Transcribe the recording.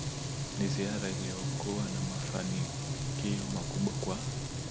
Ni ziara iliyokuwa na mafanikio makubwa Kwa